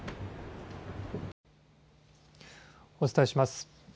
お伝えします。